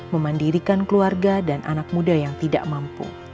memandirikan keluarga dan anak muda yang tidak mampu